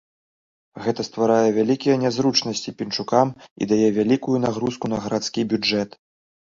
Гэта стварае вялікія нязручнасці пінчукам і дае вялікую нагрузку на гарадскі бюджэт.